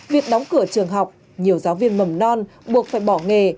việc đóng cửa trường học nhiều giáo viên mầm non buộc phải bỏ nghề